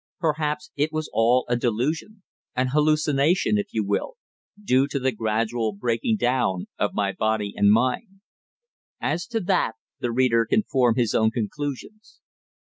Perhaps it was all a delusion an hallucination, if you will, due to the gradual breaking down of my body and mind. As to that, the reader can form his own conclusions.